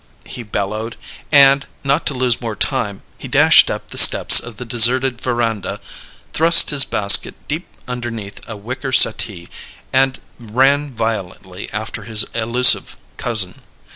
he bellowed, and, not to lose more time, he dashed up the steps of the deserted veranda, thrust his basket deep underneath a wicker settee, and ran violently after his elusive cousin.